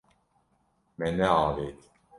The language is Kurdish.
Me neavêt.